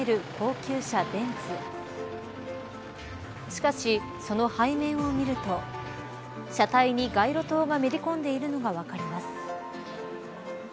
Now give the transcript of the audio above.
しかし、その背面を見ると車体に街路灯がめり込んでいるのが分かります。